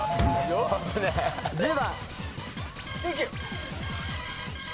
１０番。